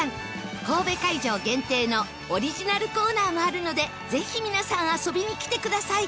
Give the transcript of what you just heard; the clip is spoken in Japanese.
神戸会場限定のオリジナルコーナーもあるのでぜひ皆さん遊びに来てください